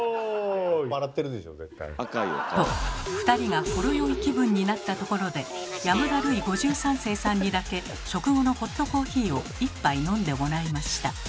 と２人がほろ酔い気分になったところで山田ルイ５３世さんにだけ食後のホットコーヒーを１杯飲んでもらいました。